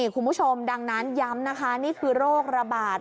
คุณผู้ชมดังนั้นย้ำนี่คือบิทธิ์โรคระบาด